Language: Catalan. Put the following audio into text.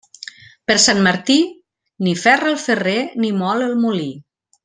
Per Sant Martí, ni ferra el ferrer ni mol el molí.